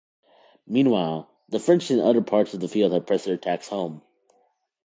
Meanwhile, the French in other parts of the field had pressed their attacks home.